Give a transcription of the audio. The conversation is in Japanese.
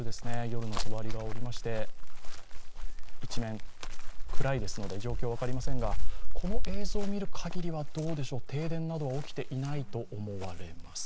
夜のとばりがおりまして、一面、暗いですので状況は分かりませんが、この映像を見るかぎりは停電などは起きていないと思われます。